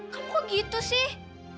kamu kok gitu sih